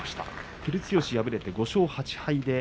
照強、敗れて５勝８敗。